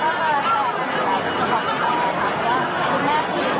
ขอบคุณครับสำหรับทุกคนที่สุดท้าย